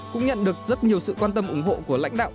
cũng nhận được rất nhiều sự quan tâm ủng hộ của lãnh đạo